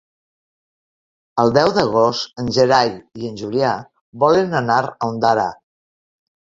El deu d'agost en Gerai i en Julià volen anar a Ondara.